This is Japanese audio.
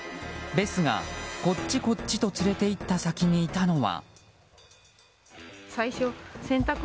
ベスがこっちこっちと連れて行った先にいたのは。